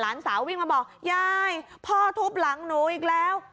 สาววิ่งมาบอกยายพ่อทุบหลังหนูอีกแล้ว